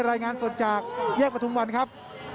รายงานสวดจากแยกภทมวัลครับ